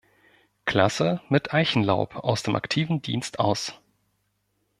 Klasse mit Eichenlaub aus dem aktiven Dienst aus.